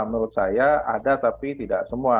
menurut saya ada tapi tidak semua